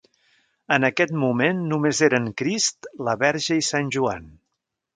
En aquest moment només eren Crist, la Verge i Sant Joan.